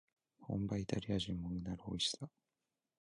本場イタリア人もうなるおいしさ